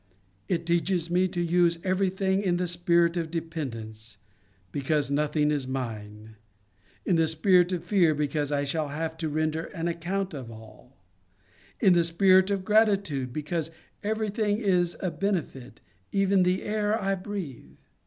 It teaches me to use everything in the spirit of dependence, because nothing is mine ; in the spirit of fear, because I shall have to render an account of all ; in the spirit of gratitude, because every thing is a benefit, even the air I breathe.